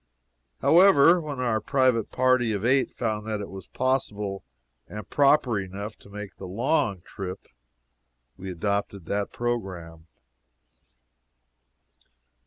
However, when our own private party of eight found that it was possible, and proper enough, to make the "long trip," we adopted that programme.